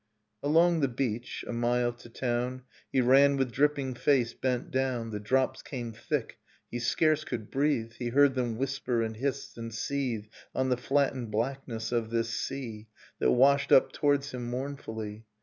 Along the beach, a mile to town, He ran with dripping face bent down. The drops came thick, he scarce could breathe, He heard them whisper and hiss and seethe On the flattened blackness of this sea That washed up towards him mournfully.